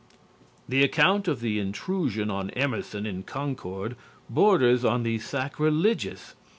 The account of the intrusion on Emerson in Concord borders on the sacrilegious.